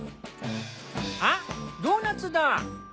あっドーナツだ。